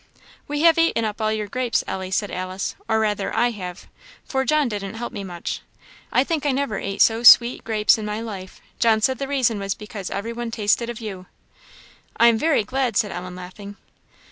"We have eaten up all your grapes, Ellie," said Alice "or rather I have, for John didn't help me much. I think I never ate so sweet grapes in my life; John said the reason was because every one tasted of you." "I am very glad," said Ellen, laughing.